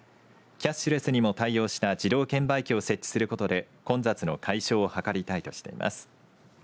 キャッシュレスにも対応した自動券売機を設置することで混雑の解消を図りたいとしています。